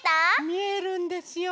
みえるんですよ。